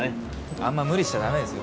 あんま無理しちゃダメですよ